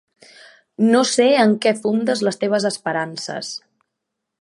No sé en què fundes les teves esperances.